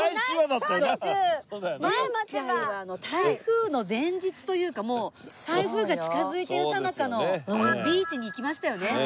前回は台風の前日というかもう台風が近づいてるさなかのビーチに行きましたよね